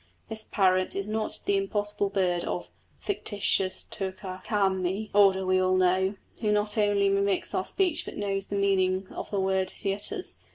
This parrot is not the impossible bird of the fictitious Totá Kahami order we all know, who not only mimics our speech but knows the meaning of the words he utters.